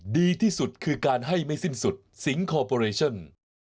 ดีที่สุดคือการให้ไม่สิ้นสุดสิงคอร์ปอเรชั่น